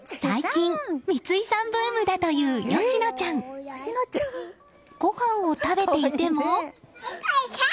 最近、三井さんブームだという佳乃ちゃん。ごはんを食べていても。